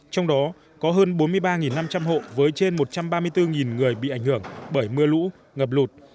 trong đó có hơn bốn mươi ba năm trăm linh hộ với trên một trăm ba mươi bốn người bị ảnh hưởng bởi mưa lũ ngập lụt